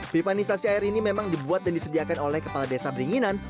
pipanisasi air ini memang dibuat dan disediakan oleh kepala desa beringinan